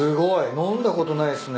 飲んだことないっすね。